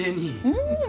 うん。